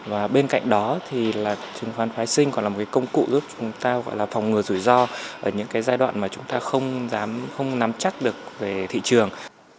và bên cạnh đó thì là chứng khoán phái sinh còn là một cái công cụ giúp chúng ta gọi là phòng ngừa rủi ro ở những cái giai đoạn mà chúng ta không nắm chắc được về thị trường